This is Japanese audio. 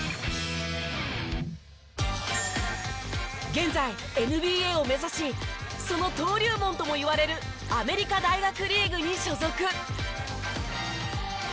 現在ＮＢＡを目指しその登竜門ともいわれるアメリカ大学リーグに所属。